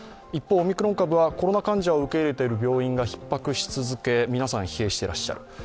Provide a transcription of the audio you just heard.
一方、オミクロン株はコロナ患者を受け入れている病院がひっ迫し続け皆さん、疲弊していらっしゃる。